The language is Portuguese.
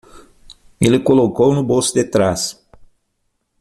Ele colocou no bolso de trás.